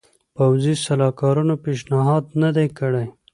پوځي سلاکارانو پېشنهاد نه دی کړی.